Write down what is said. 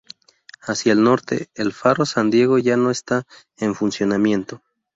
Hacia el norte, el faro San Diego ya no está en funcionamiento.